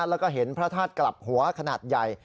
แล้วก็เห็นพระธาตุกลับหัวขนาดใหญ่